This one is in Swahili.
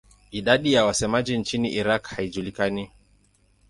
Idadi ya wasemaji nchini Iraq haijulikani.